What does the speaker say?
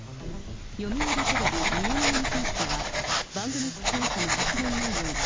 読売テレビ、ミヤネ屋に関しては、番組出演者の発言内容が、